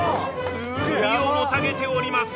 首をもたげております。